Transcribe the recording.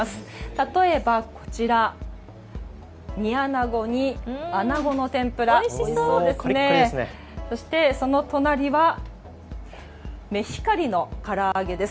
例えばこちら、煮あなごに、あなごの天ぷら、そしてその隣はメヒカリのから揚げです。